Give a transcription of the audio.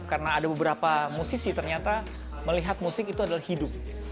karena ada beberapa musisi ternyata melihat musik itu adalah hidup